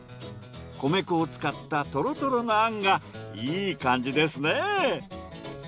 米粉を使ったトロトロのあんがいい感じですね。